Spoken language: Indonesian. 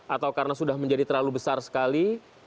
atau karena sudah menjadi terlalu besar sekali